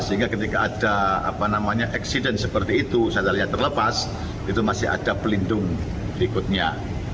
sehingga ketika ada apa namanya eksiden seperti itu sandalnya terlepas itu masih ada pelindung berikutnya